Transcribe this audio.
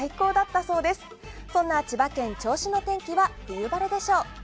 そんな千葉県銚子の天気は冬晴れでしょう。